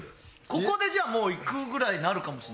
ここでじゃあもういくぐらいになるかもしれないって事？